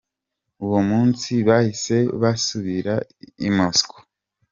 Uwo munsi bahise basubira i Moscou.